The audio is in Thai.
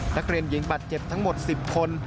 นักเรียนหญิงบาดเจ็บทั้งหมด๑๐คน